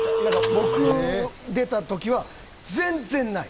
僕出た時は全然ない。